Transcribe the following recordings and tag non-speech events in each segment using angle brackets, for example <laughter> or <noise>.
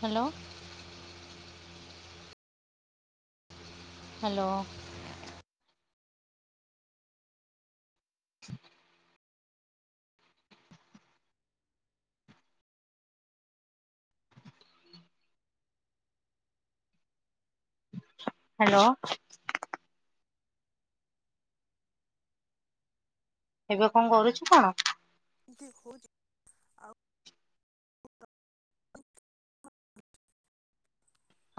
Hello. Hello. Hello. ଏବେ କଣ କରୁଛୁ କଣ? <unintelligible> ହୋଉଚି ଆଉ <unintelligible>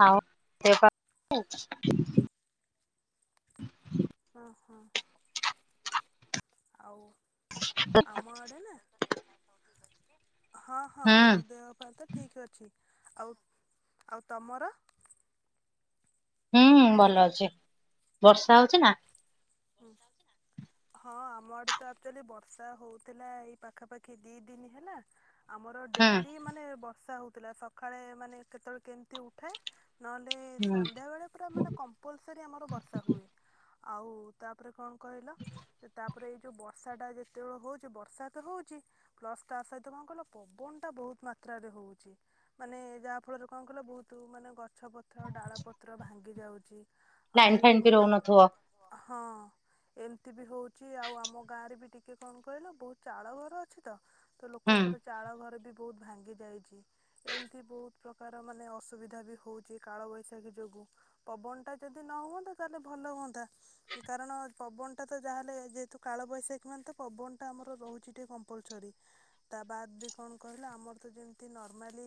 ଆଉ ଦେହ ପା <unintelligible> ଓହୋ। ଆଉ। ଆମ ଆଡେ ନା ହଁ ହଁ ମୋ ଦେହ ପା ତ ଠିକ ଅଛି। ଆଉ ଆଉ ତମର? ହୁଁ ହୁଁ ଭଲ ଅଛି। ବର୍ଷା ହୋଉଚି ନା? ହୁଁ ହଁ ଆମଡେ ତ ଆକ୍ଚୁଆଲି ବର୍ଷା ହୋଉଥିଲା ଏଇ ପାଖାପାଖି ଦିଇ ଦିନ ହେଲା। ଆମର ଡେଲି ମାନେ ବର୍ଷା ହଉ ଥିଲା ସକାଳେ ମାନେ କେତେବେଳେ କେମିତି ଉଠାଏ ନହେଲେ ସନ୍ଧ୍ୟା ବେଳେ ପୁରା ମାନେ କମ୍ପଲସରୀ ଆମର ବର୍ଷା ହୁଏ। ଆଉ ତାପରେ କଣ କହିଲ ଯେ ତାପରେ ଏଇ ଯୋଉ ବର୍ଷାଟା ଯେତେବେଳେ ହେଉଚି ବର୍ଷା ତ ହେଉଚି ପ୍ଲସ୍ ତା ସହିତ କଣ କହିଲ ପବନଟା ବହୁତ ମାତ୍ରାରେ ହୋଉଛି ମାନେ ଯାହାଫଳରେ କଣ କହିଲ ବହୁତ ମାନେ ଗ ଗଛପତ୍ର ଡାଳପତ୍ର ଭାଙ୍ଗ ଙ୍ଗି ଯାଉଚି ଲାଇନ ଫାଇନ ବି ରହୁ ନଥୁବ। ହଁ ଏମିତି ବି ହଉଛି ଆଉ ଆମ ଗାଁରେ ବି ଟିକେ କଣ କହିଲ ବହୁତ ଚାଳ ଘର ଅଛି ତ। ତ ଲୋକଙ୍କର ଚାଳ ଘରେ ବି ବହୁତ ଭାଙ୍ଗି ଯାଇଛି ଏମିତି ବହୁତ ପ୍ରକାର ମାନେ ଅସୁବିଧା ବି ହେଉଛି କାଳବୈଶାଖୀ ଯୋଗୁଁ ପବନଟା ଯଦି ନ ହୁଅନ୍ତା ତାହେଲେ ଭଲ ହୁଅନ୍ତା। କାରଣ ପବନଟା ତ ଯାହାହେଲେ ଯେହେତୁ କାଳବୈଶାଖୀ ମାନେ ତ ପବନଟା ଆମର ରହୁଛି ଟିକେ କମ୍ପଲସରୀ ତା ବାଦ୍ ବି କଣ କହିଲା ଆମର ତ ଯେମିତି ନର୍ମାଲି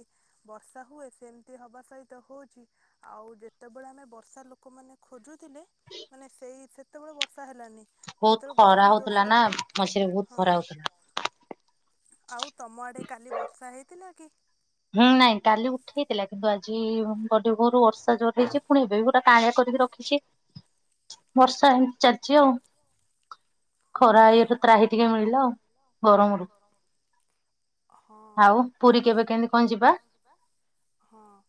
ବର୍ଷା ହୁଏ ସେମିତି ହେବା ସହିତ ହେଉଛି ଆଉ ଯେତେବେଳେ ଆମେ ବର୍ଷା ଲୋକମାନେ ଖୋଜୁଛ। ଥିଲେ ମାନେ ସେଇ ସେତେବେଳେ ବର୍ଷା ହେଲାନି। ଯେତେବେଳେ ଗରମ ଜୋସରେ ହଁ ଆଉ ତମ ଆଡେ କାଲି ବର୍ଷା ହେଇଥିଲା। ଖି ହୁଁ ନାଇଁ କାଲି ଉଠେଇଥିଲା କିନ୍ତୁ ଆଜି ବଡି ଭୋରୁ ବର୍ଷା ଜୋର ହେଇଛି ପୁଣି ଏବେ ବି ପୁରା କାଳିଆ କରିକି ରଖିଛି ବର୍ଷା ଏମିତି ଚାଲିଛି ଆଉ। ଖରା ଇଏ ର ତ୍ରାହି ଟିକେ ମିଳିଲା ଆଉ ଗରମରୁ ଆଉ ପୁରୀ କେବେ କେମିତି ହଁ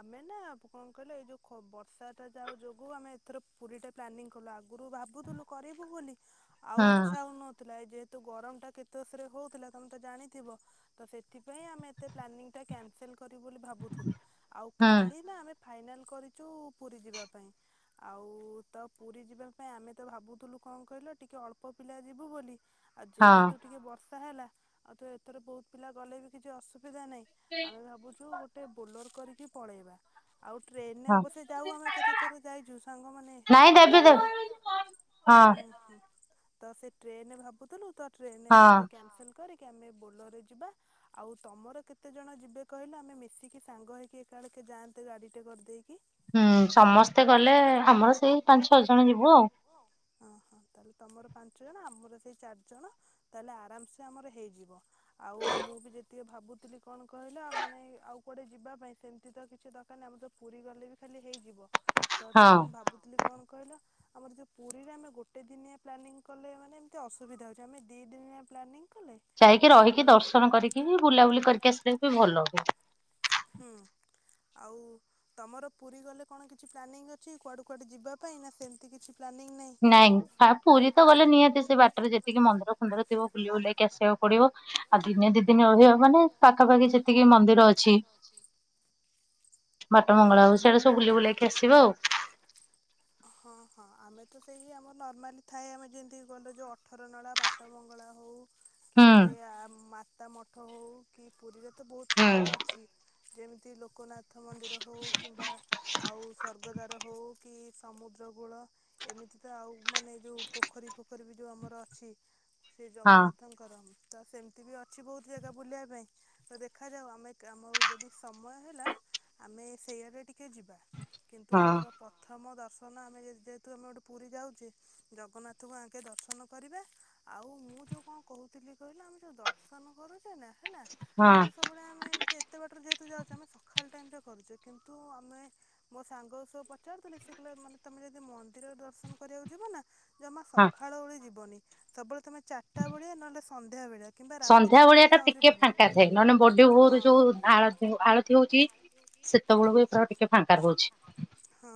ଆମେ ନା କଣ କହିଲେ ଏଇ ଯୋଉ ବର୍ଷାଟା ଯାଉ ଯୋଗୁ ଆମେ ଏଥର ପୁରୀ ଟା ପ୍ଲାନିଂ କଲୁ ଆଗରୁ ଭାବୁଥିଲୁ କରିବୁ ବୋଲି। ଆଉ ଇଚ୍ଛା ହଉନଥିଲା ଏ ଯେହେତୁ ଗରମ ଟା କେତେ ଜୋର୍ ଷରେ ହେଉଥିଲା ତମେ ତ ଜାଣିଥିବ ତ ସେଥିପାଇଁ ଆମେ ଏତେ ପ୍ଲାନିଂଟା କ୍ୟାନସେଲ୍ ବୋଲି ଭାବୁଥିଲୁ ଆଉ କାଲି ନା ଆମେ। ଫାଇନାଲ କରିଛୁ ପୁରୀ ଯିବା ପାଇଁ ଆଉ ତ ପୁରୀ ଯିବା ପାଇଁ ଆମେ ତ ଭାବୁଥିଲୁ କଣ କହିଲ। ଟିକେ ଅଳ୍ପ ପିଲା ଯିବୁ ବୋଲି ଆଉ ଯେହେତୁ ଟିକେ ବର୍ଷ ହେଲା ଆଉ ତୁ ଏଥର ବହୁତ ପିଲା ଗଲେ ବି କିଛି ଅସୁ ସୁବିଧା ନାଇଁ ଆମେ ଭାବୁଛୁ ଗୋଟେ ବୋଲର କରିକ ପଳେଇବ ଆଉ ଟ୍ରେନରେ ଅବଶ୍ୟ ଯାଉ ଆମେ କେତେ ଥର ଯାଇଛୁ ସାଙ୍ଗମାନେ କିନ୍ତୁ ହୁଁ ହୁଁ। ତ ସେ ଟ୍ରେନ ଭାବୁଥିଲୁ ତ ଟ୍ରେନ ଏ କ୍ୟନ୍ସଲ କରିିକ ଆମେ ବୋଲୋରରେ ଯିବା ଆଉ ତମର କେତେ ଜଣ ଯିବେ କହିଲେ ଆମେ ମିଶିକି ସାଙ୍ଗ ହେଇକି ଏକାଡ କେ ଯାଆନ୍ତେ ଗାଡିଟେ କରିଦେଇକି। ହୁଁ ସମସ୍ତେ ଗଲେ ଆମର ସେଇ ପାଞ୍ଚ ଛଅ ଜଣ ଯିବୁ ଆଉ। ତମର ପାଞ୍ଚ ଜଣ ଆମର ସେଇ ଚାରିଜଣ ତାହେଲେ ଆରାମସେ ଆମର ହେଇଯିବ ଆଉ ମୁଁ ବି ଯେତିକି ଭାବୁଥିଲି କଣ କହିଲା ମାନେ ଆଉ କୋଆଡେ ଯିବା ପାଇଁ ସେମିତି ତ କିଛି ଦରକାର ନାହି ଆମର ତ ପୁରୀ ଗଲେ ବି ଖାଲି ହେଇଯିବ। ତ ତାପରେ ମୁଁ ଭାବୁଥିଲି କଣ କହିଲ ଆମର ଯୋଉ ପୁରୀରେ ଆମେ ଗୋଟେ। ଗୋଟେ ଦିନିଆ ପ୍ଲାନିଂ କଲେ ମାନେ ଏମିତି ଅସୁବିଧା ହେଉଛି ଆମେ ଦି ଦିନିଆ ପ୍ଲାନିଂ। ଯାଇକି ରହିକି ଦର୍ଶନ କରିକି ବୁଲାବୁଲି କରିକି ଆସିଲେ ବି ଭଲ ହୁଏ। ହୁଁ ଆଉ ତମର ପୁରୀ ଗଲେ କଣ କିଛି ପ୍ଲାନିଂ ଅଛି କୁଆଡୁ କୁଆଡେ ଯିବା ପାଇଁ ନା ସେମିତି କିଛି। ନାଇଁ ପୁରୀ ତ ଗଲେ ନିହାତି ସେ ବାଟରେ ଯେତିକି ମନ୍ଦିର ଫନ୍ଦିର। ବୁଲି ବୁଲାକି ଆସିବାକୁ ପଡିବ ଆଉ ଦିନେ ଦି ଦିନେ ରହିହବନି ପାଖାପାଖି ଯେତିକି ମନ୍ଦିର ଅଛି। ଅଛି। ବାଟ ମଙ୍ଗଳା ହଉ ସେଆଡା ସବୁ ବୁଲି ବୁଲେଇକି ଆସିବ ଆଉ। ତ ସେଇ ଆମର ନର୍ମାଲି ଥାଏ ଆମେ ଯେମିତିି ଗଲେ ଯେଉଁ ଅଠର ନଳା ବାଟମଙ୍ଗଳା ହଉ। କି ଗୋଟେ ଆ ମାତା ମ ହଉ କି ପୁରୀର। ତ ବହୁତ ପ୍ରକାର ଅଛି। ଯେମିତି ଲୋକନାଥ। ର ମନ୍ଦିର। ହ <unintelligible> ଆଉ ସ୍ୱର୍ଗଦ୍ୱାର ହଉ କି ସମୁଦ୍ରକୁଳ ଏମିତି ତ ଆଉ ମାନେ ଯଉ ପୋଖରୀ ଫୋଖରୀ ବି ଯେଉଁ ଆମର ଅଛି। ଶ୍ରୀ ଜଗନ୍ନାଥଙ୍କର। ତ ସେମିତି ବି ଅଛି ବହୁତ ଜାଗା ବୁଲିବା ପାଇଁ ତ ଦେଖାଯାଉ ଆମେ ଆମକୁ ଯଦି ସମୟ ହେଲା। ଆମେ ସେଇଆଡ଼େ ଟିକେ ଯିବା। କିନ୍ତୁ ଆମର ପ୍ରଥମ ଦ ଦର୍ଶନ ଆମେ ଯେହେତୁ ଆମେ ଗୋଟେ ପୁରୀ ଯାଉଚେ ଜଗନ୍ନାଥଙ୍କୁ ଆଙ୍କେ ଦର୍ଶନ କରିବା ଆଉ ମୁଁ ଯଉ କଣ କହୁଥିଲି କହିଲ ଆମେ ଯଉ ଦର୍ଶନ କରୁଚେ ନା। ହେଲା ଆମେ ତ ସବୁବେଳେ ଆମେ ଏମତି ଏତେ ବାଟରେ। ଯାଉଚେ ଆମେ ସକାଳ ଟାଇମଟା। କରୁଚେ କିନ୍ତୁ ଆମେ ମୋ ସାଙ୍ଗ ସବୁ ପଚାରୁଥିଲ ସେ କହିଲା ମାନେ ତୁମେ ଯଦି ମନ୍ଦିର ଦର୍ଶନ କରିବାକୁ ଯିବ ନା। ଜମା ସକାଳ ଓଳି ଯିବନି। ସବୁବେଳେ ତମେ ଚାରିଟା ବଳିଆ ନହେଲେ ସନ୍ଧ୍ୟା ବେଳିଆ। ସନ୍ଧ୍ୟା ବଳିଆ ଟା ଟିକେ ଫାଙ୍କା ଥାଏ ନହେଲେ ବଡି ଭୋରୁ ଯୋଉ ଆଳ ଆଳତି ହଉଛି। ସେତେବେଳକୁ ଏ ପ୍ରାୟ ଟିକେ ଫାଙ୍କା ରହୁଛି। ହଁ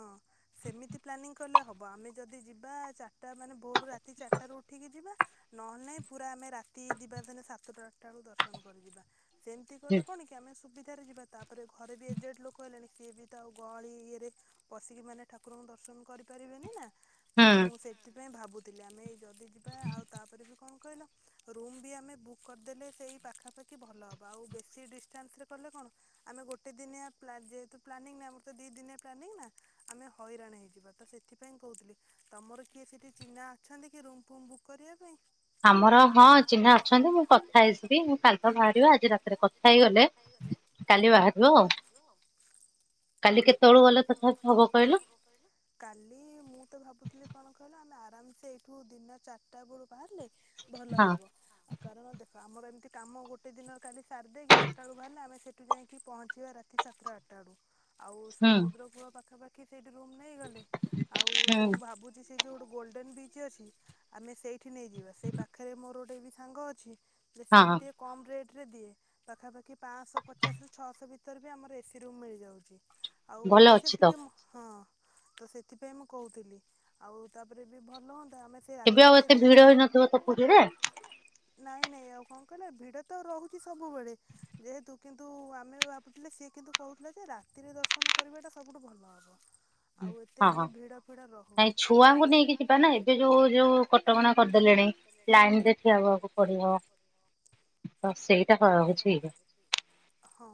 ସେମିତି ପ୍ଲାନିଂ କଲେ ହବ ଆମେ ଯଦି ଯିବା ଚାରିଟା ମାନେ ଭୋରରୁ ରାତି ଚାରିଟାରୁ ଉଠିକି ଯିବା ନହେଲେ ନାଇଁ ପୁରା ଆମେ ରାତି ଯିବାର ଦିନେ ସାତଟାଟା ବେଳକୁ ଦର୍ଶନ କରି ଯିବା। ସେମିତି କଲେ କଣ କି ଆମେ। ସୁବିଧାରେ ଯିବା ତା ପରେ ଘରେ ବି ଏଜେଡ ଲୋକ ହେଲେଣି। ସଏ ବି ତ ଆଉ ଗହଳି ଇଏରେ। ପସିକି ମାନେ ଠାକୁରଙ୍କୁ ଦର୍ଶନ କରି ପାରିବେନି ନା। ତ ମୁଁ ସେଠି। ସେଥିପାଇ ଭାବୁଥିଲେ ଆମେ। ଜଲଦି ଯିବା ଆଉ ତାପରେ ବି କଣ। କହିଲ ରୁମ୍ ବି ଆମେ ବୁକ୍ କରିଦେଲେ ସେଇ ପାଖାପାଖି ଭଲ ହେବ ଆଉ ବେଶୀ ଡିଷ୍ଟାନ୍ସରେ କଲେ କଣ ଆମେ ଗୋଟେ ଦିନିଆ ଯେହେତୁ ପ୍ଲାନିଂ ନା ଆମର ତ ଦୁଇ ଦିନିଆ। ପ୍ଲାନିଂ ନା ଆମେ ହଇରାଣ ହେଇଯିବା ତ ସେଥିପାଇଁ କହୁଥିଲି ତୁମର କିଏ ସେଇଠି ଚିହ୍ନା ଅଛନ୍ତି କି ରୁମ୍ ଫୁମ୍ ବୁକ୍ କରିବା ପାଇଁ? ଆମର ହଁ ଚିହ୍ନା ଅଛନ୍ତି ମୁଁ କଥା ହେଇସିବି ମୁଁ କାଲି ତ ବାହାରିବ ଆଜି ରାତିରେ କଥା ହେଇଗଲେ କାଲି ବାହାରିବ ଆଉ। କାଲି କେତେ। କାଲି ମୁଁ ତ ଭାବୁଥିଲି କଣ କହିଲ ଆମେ ଆରାମ ସେ ଏଠୁ ଦିନ ଚାରିଟା ବେଳୁ ବାହାରିଲେ ଭଲ ହବ ଆ କାରଣ ଦେଖ ଆମର ଏମିତି କାମ ଗୋଟେ ଦିନ କାଲି ସାରିଦେଇକି ଚାରିଟା ବେଳୁ ବାହାରିଲେ ଆମେ ସେଠୁ ଯାଇଁକି ପହଞ୍ଚିବା ରାତି ସାତଟା ଆଠଟା ବେଳୁ ଆଉ ସମୁଦ୍ର କୂଳ ପାଖାପାଖି ସେଠି ରୁମ ନେଇଗଲେ ଆଉ ସେ ମୁଁ ଭାବୁଚି ସେ ଯୋଉ ଗୋଟେ ଗୋଲ୍ଡେନ୍ ବିଚ୍ ଅଛି ଆମେ ସେଇଠି ନେଇଯିବା ସେଇ ପାଖରେ ମୋର ଗୋଟେ ବି ସାଙ୍ଗ ଅଛି ତ ସିଏବି ଟିକେ କମରେ ଦିଏ ପାଖାପାଖି ପାଆଁଶହ ପଚାଶରୁ ଛଅଶହ ଭିତରେ ବି ଆମର ଏ ସି ରୁମ୍ ମିଳିଯାଉଛି। ଆଉ ଅବଶ୍ୟ ଟିକେ ମୁଁ ହଁ। ତ ସେଥିପାଇଁ ମୁଁ କହୁଥିଲି ଆଉ ତାପରେ ବି ଭଲ ହୁଅ ଏବେ ଆଉ ଏତେ ଭିଡ ହେଇନଥିବ ତ ପୁରୀରେ। ନାଇଁ ନାଇଁ ଆଉ କଣ କହିଲା ଭିଡ଼ ତ ରହୁଛି ସବୁବେଳେ ଯେହେତୁ କିନ୍ତୁ ଆମେ ଭାବୁଥିଲେ ସିଏ କିନ୍ତୁ କହୁଥିଲା ଯେ ରାତିରେ ଦର୍ଶନ କରିବାଟା ସବୁଠୁ ଭଲ ହବ। ହୁଁ ହଁ ହଁ ନାଇଁ ଛୁଆଙ୍କୁ ନେଇକି ଯିବା ନା ଏବେ ଯୋଉ ଯୋଉ କଟକଣା କରିଦେଲେଣି ଲାଇନରେ ଠିଆ ହେବାକୁ ପଡିବ। ହ ସେଇ ହଁ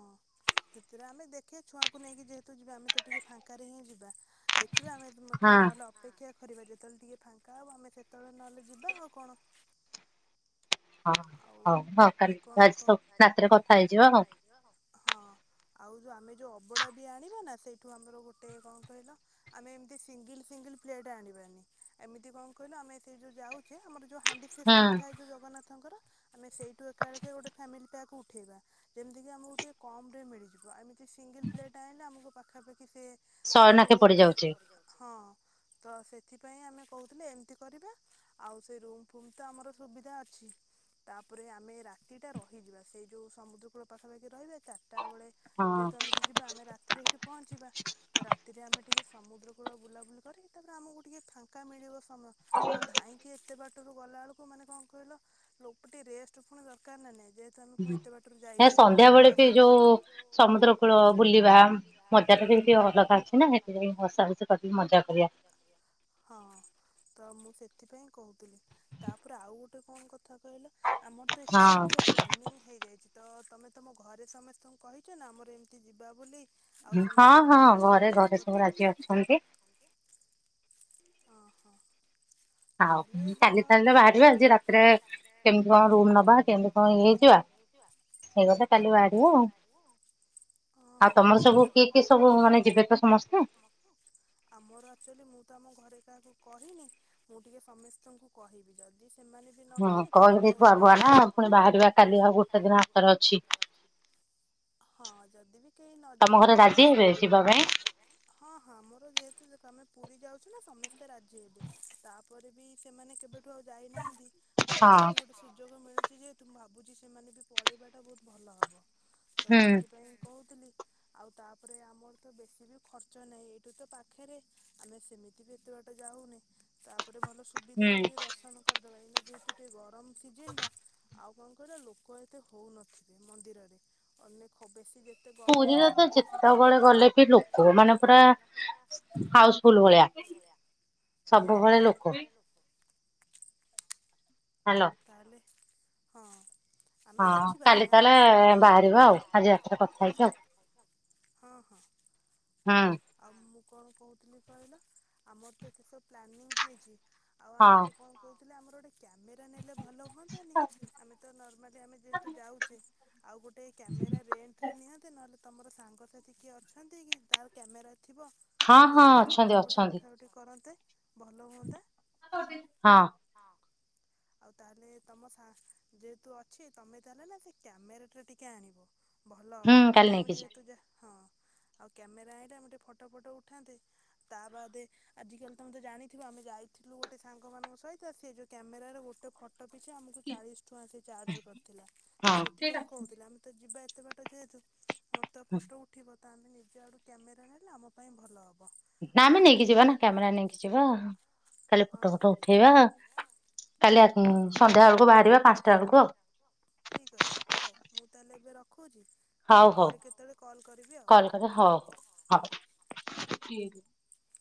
ସେଥିରେ ଆମେ ଦେଖ କେ ଛୁଆକୁ ନେଇକି ଯେହେତୁ ଯିବା ଆମେ ତ ଟିକେ ଫାଙ୍କାରେ ହିଁ ଯିବା। ଦେଖିବା ଆମେ ଟିକେ ନହେଲେ ଅପେକ୍ଷା। କରିବା ଯେତେବେଳେ ଟିକେ ଫାଙ୍କା ହବ ଆମେ ସେତେବେଳେ ନହେଲେ ଯିବା ଆଉ କଣ। ଆଉ ମୁଁ କଣ କ ଆଉ ଯୋଉ ଆମେ ଯୋଉ ଅବଡ଼ା ବି ଆଣିବା ନା ସେଇଠୁ ଆମର ଗୋଟେ କଣ କହିଲ ଆମେ ଏମିତି ସିଙ୍ଗଲ ସିଙ୍ଗଲ ଫ୍ଲେଟ୍ ଆଣିବାନି ଏମିତି କଣ କହିଲ ଆମେ ସେଇ ଯୋଉ ଯାଉଛେ ଆମର ଯୋଉ ହାଣ୍ଡି ସିଷ୍ଟମ୍ ଥାଏ ଯୋଉ ଜଗନ୍ନାଥଙ୍କର। ଆମେ ସେଇଠୁ ଏକାଲେକେ ଗୋଟେ ଫାମିଲି ପ୍ୟାକ୍ ଉଠେଇବା ଯେମିତିକି ଆମକୁ ଟିକେ କମ ରେ ମିଳିଯିବ ଆମେ ସିଙ୍ଗଲ ପ୍ଲେଟ୍ ଆଣିଲେ ଆମକୁ ପାଖ ହେବେ। କି ସେ ମାନେ ଗୋଟେ ହଁ। ତ ସେଥିପାଇଁ ଆମେ କହୁଥିଲେ ଏମିତି କରିବା ଆଉ ସେ ରୁମ୍ ଫୁମ୍ ତ ଆମର ସୁବିଧା ଅଛି। ତାପରେ ଆମେ ରାତିଟା ରହିଯିବା, ସେଇ ଯୋଉ ସମୁଦ୍ରକୂଳ ପାଖାପାଖି ରହି ଯାଇଥା ଚାରିଟାବେଳେ ଯେହେତୁ ଆମେ ଏଠୁ ଯିବା ଆମେ ରାତିରେ ହେଇଠି ପହଞ୍ଚିବା ତ ରାତିରେ ଆମେ ଟିକେ ସମୁଦ୍ର କୂଳ ବୁଲାବୁଲି କରିକି ତାପରେ ଆମକୁ ଟିକେ ଫାଙ୍କା ମିଳିବ ହମ ଆଉ ଧାଇଁକି ଏତେ ବା ଏଠୁ ଗଲା ବେଳକୁ ମାନେ କଣ କହିଲ ଲୋ ଟିକେ ରେଷ୍ଟ ପୁଣି ଦରକାର ନା ନାଇ। ଯେହେତୁ ଆମେ ପୁଣି ଏତେ ବାଟରୁ ଯାଇଛେ ହଁ ତ ମୁଁ ସେଥିପାଇଁ କହୁଥିଲି, ତାପରେ ଆଉ ଗୋଟେ କଣ କଥା କହିଲ ଆମର ତ ଏ ସବୁ ସବୁ ପ୍ଲାନିଂ ହେଇଯାଇଛି, ତ ତମେ ତମ ଘରେ ସମସ୍ତଙ୍କୁ କହିଛ ନା ଆମର ଏମିତି ଯିବା ବୋଲି ହଁ ହଁ ଘରେ ଘରେ ସବୁ ରାଜି ଅଛନ୍ତି। ହ ତା ହେଲେ ଭଲ ହେବ, କାଲି ତାହାଲେ ବାହାରିବ ଆଜି ରାତିରେ କେମିତି କଣ ରୁମ ନବା, କେମିତି କଣ ଇଏ ହେଇଯିବା ଏଇ କଥା କାଲି ବାହାରିବା ଆଉ, ଓହୋ ତମର ସବୁ କିଏ କିଏ ସବୁ ମାନେ ଯିବେ, ଯିବେତ ସମସ୍ତେ, ଆମର ଆକଚୋଲି ମୁଁ ତ ଆମର ଘରେ କାହାକୁ କହିନି ମୁଁ ଟିକେ ସମସ୍ତଙ୍କୁ କହିବି ଜଲ୍ଦି ସେମାନେ ବି ନ ଗଲେ ତାହେଲେ ମୋର ବି ଆହୁରି, ବଢାଅ ପୁଣି ବାହାରିବା କାଲି ଆଉ ଗୋଟେ ଦିନ ହାତରେ ଅଛି, ହଁ ଯଦି ବି କେହି ବି ନଯାଅ ତାହାଲେ ମୋର ବି ତମ ଘରେ ରାଜି ହେବେ ହଁ ହଁ ମୋର ଯେହେତୁ ତମେ ପୁରୀ ଯାଉଛୁ ନା ସମସ୍ତେ ରାଜି ହେବେ, ତା ପରେ ବି ସେମାନେ କେବେ ଠୁ ଆଉ ଯାଇନାହାନ୍ତି ତ ଏଇଟା ବି ଗୋଟେ ହଁ ସୁଯୋଗ ମିଳୁ ଯେହେତୁ ଭାବୁଛି ସେମାନେ ବି ପଳେଇବାଟା ବହୁତ ଭଲ ହବ। ତ ସେଥିପାଇଁ କହୁଥିଲି ଆଉ ତାପରେ ଆମର ତ ବେଶୀ ବି ଖର୍ଚ୍ଚ ନାହିଁ ଏଇଠୁ ତ ପାଖରେ ଆମେ ସେମିତି ବି ଏତେ ବାଟ ଯାଉ ନେ ତାପରେ ଉପରେ ଭଲ ସୁବିଧାରେ ବି ଟିକେ ଦର୍ଶନ କରି ଦବାଇ ଲଗେଇ ତୁ ଟିକେ ଗୋରମ ସିଜିନ ଟା ଆଉ କଣ କରିବା ଲୋକ ଏତେ ହଉନଥିବେ ମନ୍ଦିରରେ ଅନେକ ଖବ ପୁରୀରେ ତ ଯେତେବେଳେ ଗଲେ ବି ଲୋକ ମାନେ ପୁରା ହାଉସଫୁଲ ଭଳିଆ, ସବୁବେଳେ ଲୋକ କୋ ହ୍ୟାଲୋ ତାହଲେ ହଁ ହଁ କାଲି ତାହେଲେ ବାହାରିବା ଆଉ ଆଜି ରାତିରେ କଥା ହେଇଛିି ଆଉ, ହୁଁ <unintelligible> କଣ କହୁଥିଲି କହିଲ ଆମର ତ ଏତେ ସବୁ ପ୍ଲାନିଂ ହେଇଚି ଆଉ ଆମେ ଯୋଉ କଣ କହୁଛୁ, ହଁ ଆର ଗୋ <unintelligible> <inaudible> କ୍ୟାମେରା ନେଲେ ଭଲ ହୁଅନ୍ତନି ଆମେ ତ ନର୍ମାଲି ଆମେ ଯେହେତୁ ଯାଉଛେ ଆଉ ଗୋଟେ କ୍ୟାମେରା ରେଣ୍ଟ ରେ ନିଅନ୍ତେ ନହଲେ। ତମର ସାଙ୍ଗସାଥି କିଏ ଅଛନ୍ତି କି ତାର କ୍ୟାମେରା। ଥିବ ଗୋଟେ ନିଅନ୍ତ ଫଟୋ ଫଟୋ ଉଠା ଉଠି କରନ୍ତେ ଭଲ ହୁଅନ୍ତା। ହଁ ଆଉ ତାହେଲେ ତମ ଯେହେତୁ ଅଛି ତମେ ତାହେଲେ ନା ସେ କ୍ୟାମେରାଟରେ ଟିକେ ଆଣିବ ଭଲ ହବ ଟିକେ ଆମେ ଯେହେତୁ ଯା ହଁ ଆଉ କ୍ୟାମେରା ଗୋଟେ ଫଟୋ ଫଟୋ ଉଠାନ୍ତେ ତା ବାଦ ଆଜିକାଲି ତମତେ ଜାଣିଥିବ ଆମେ ଯାଇଥିଲୁ ଗୋଟେ ସାଙ୍ଗ ମାନଙ୍କ ସହିତ ସେ ଯୋଉ କ୍ୟାମେରା ର ଗୋଟେ ଫଟୋ ଅଟୋ ପିଛା ଆମକୁ ଚାଳିଶ ଟଙ୍କା ସେ ଚାର୍ଜ କରିଥିଲା ତ ସେଥିପାଇଁ କହୁଥିଲା ଆମେ ତ ଯିବା ଏତେ ବାଟ ଯେହେତୁ ମୋର ତ ପସ ଉଠିବ ତମେ ନିଜ ଆଡୁ କ୍ୟାମେରା ନେଲେ ଆମ ପାଇଁ ଭଲ ହବ ନା ଆମେ ନେଇକି ଯିବା ନା କ୍ୟାମେରା ନେଇକି ଯିବା ଖାଲି ଫଟୋ ଫଟ ଉଠେଇବା କାଲି ଆ <unintelligible> ସନ୍ଧ୍ୟା ବେଳକୁ ବାହାରିବା ପାଞ୍ଚଟା ବେଳକୁ ଆଉ ମୁଁ ତାହେଲେ ଏବେ ରଖ ଦେଖୁଛି ତମକୁ ପରେ କେତେବେଳେ କଲ୍ କରିବି ଆଉ ହଉ <inaudible>